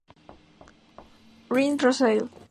Sin Rosalee!